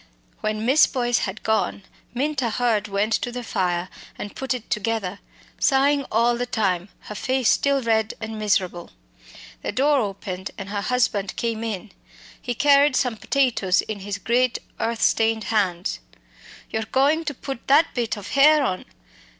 When Miss Boyce had gone, Minta Hurd went to the fire and put it together, sighing all the time, her face still red and miserable. The door opened and her husband came in. He carried some potatoes in his great earth stained hands. "You're goin' to put that bit of hare on?